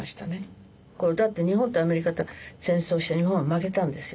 だって日本とアメリカと戦争して日本は負けたんですよね。